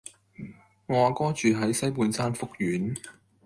我阿哥住喺西半山福苑